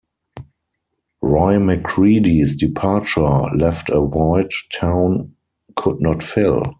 Roy McCreadie's departure left a void Town could not fill.